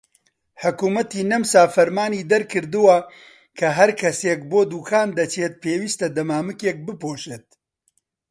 حکومەتی نەمسا فەرمانی دەرکردووە کە هەر کەسێک کە بۆ دوکان دەچێت پێویستە دەمامکێک بپۆشێت.